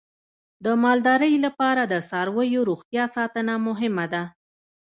د مالدارۍ لپاره د څارویو روغتیا ساتنه مهمه ده.